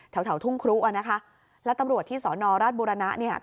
แถวแถวทุ่งครุอ่ะนะคะแล้วตำรวจที่สอนอราชบุรณะเนี่ย